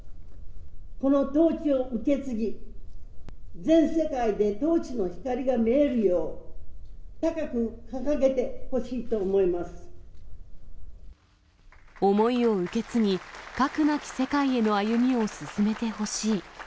このトーチを受け継ぎ、全世界でトーチの光が見えるよう、思いを受け継ぎ、核なき世界への歩みを進めてほしい。